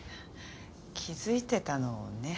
気づいてたのね。